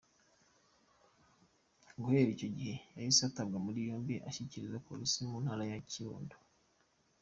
Guhera icyo gihe yahise atabwa muri yombi ashyikirizwa Polisi yo mu Ntara ya Kirundo.